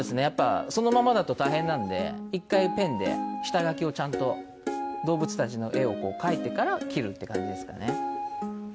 やっぱそのままだと大変なので１回ペンで下描きをちゃんと動物たちの絵を描いてから切るって感じですかね。